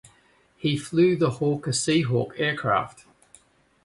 He flew the Hawker Sea Hawk aircraft.